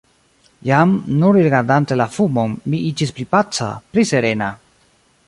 Jam, nur rigardante la fumon, mi iĝis pli paca, pli serena.